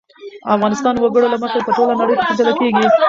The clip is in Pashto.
افغانستان د وګړي له مخې په ټوله نړۍ کې پېژندل کېږي.